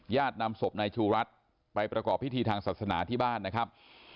นำศพนายชูรัฐไปประกอบพิธีทางศาสนาที่บ้านนะครับ